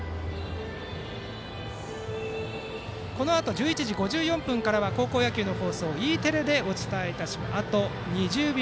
このあと１１時５４分から高校野球の放送はＥテレでお伝えします。